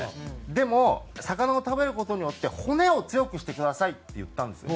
「でも魚を食べる事によって骨を強くしてください」って言ったんですよ。